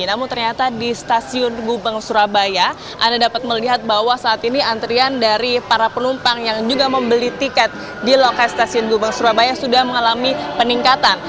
namun ternyata di stasiun gubeng surabaya anda dapat melihat bahwa saat ini antrian dari para penumpang yang juga membeli tiket di lokal stasiun gubeng surabaya sudah mengalami peningkatan